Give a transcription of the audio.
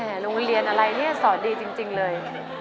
สมก็ลงเรียนอะไรสอนดีจริงเลย